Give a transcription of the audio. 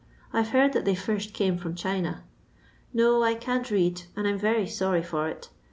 I 've heard that they first came from China. No, I can't read, and I *m very sorry for it.